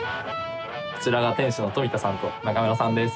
こちらが店主の富田さんと仲村さんです。